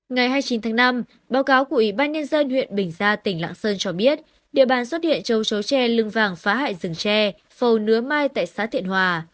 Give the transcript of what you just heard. ngày hai mươi chín tháng năm báo cáo của ủy ban nhân dân huyện bình gia tỉnh lạng sơn cho biết địa bàn xuất hiện châu chấu tre lưng vàng phá hại rừng tre hồ nứa mai tại xã thiện hòa